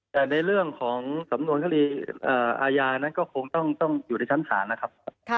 แต่ในเรื่องของสำนวนคดีอาญานั้นก็คงต้องอยู่ในชั้นศาลนะครับ